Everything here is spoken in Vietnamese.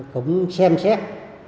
cũng xem xét